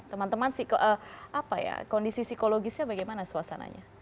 teman teman kondisi psikologisnya bagaimana suasananya